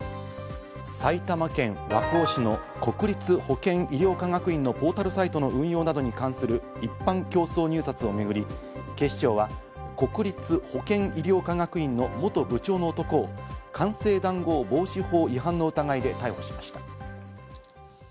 埼玉県和光市の国立保健医療科学院のポータルサイトの運用などに関する一般競争入札を巡り、警視庁は国立保健医療科学院の元部長の男を官製談合防止法違反の疑いで逮捕しました。